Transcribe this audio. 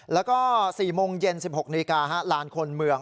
แล้วก็๔โมงเย็น๑๖นาฬิกาลานคนเมือง